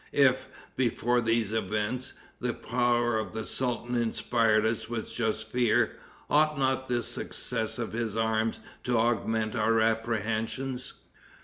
If, before these events, the power of the sultan inspired us with just fear, ought not this success of his arms to augment our apprehensions?"